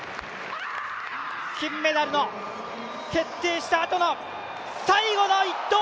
金メダルの決定したあとの最後の１投！